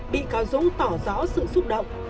bị cáo dũng tỏ rõ sự xúc động